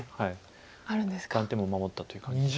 断点も守ったという感じ。